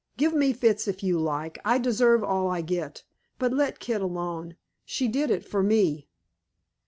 Give me fits if you like; I deserve all I get. But let Kit alone she did it for me."